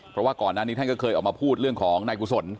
เพราะว่าก่อนหน้านี้ท่านก็เคยออกมาพูดเรื่องของนายกุศล